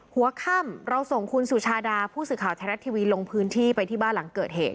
หัวค่ำเราส่งคุณสุชาดาผู้สื่อข่าวไทยรัฐทีวีลงพื้นที่ไปที่บ้านหลังเกิดเหตุ